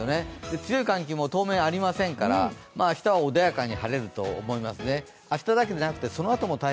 強い寒気もありませんから明日は穏やかに晴れると思いますね。